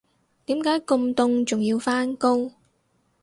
點解咁凍仲要返工